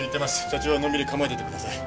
社長はのんびり構えておいてください。